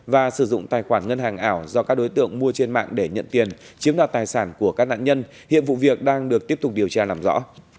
và sử dụng tài khoản ngân hàng ảo do các đối tượng mua trên mạng để nhận tiền chiếm đoạt tài sản của các nạn nhân hiện vụ việc đang được tiếp tục điều tra làm rõ